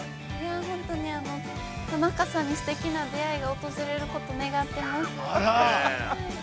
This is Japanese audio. ◆本当に田中さんにすてきな出会いが訪れることを願っています。